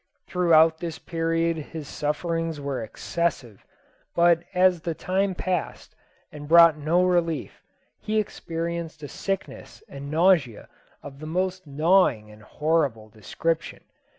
Throughout this period his sufferings were excessive; but as the time passed and brought no relief, he experienced a sickness and nausea of the most gnawing and horrible description.